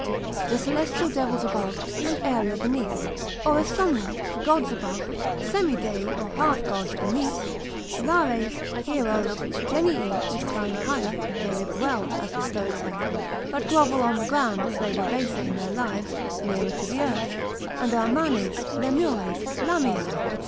The celestial devils above, and aerial beneath, or, as some will, gods above, Semi dei or half gods beneath, Lares, Heroes, Genii, which climb higher, if they lived well, as the Stoics held; but grovel on the ground as they were baser in their lives, nearer to the earth: and are Manes, Lemures, Lamiae, &c.